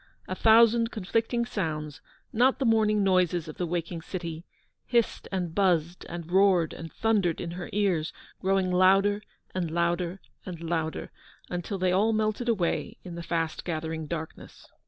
A thousand conflicting sounds — not the morning noises of the waking city — hissed and buzzed, and roared and thundered in her ears, growing louder and louder and louder, until they all melted away in the fast gathering darkness.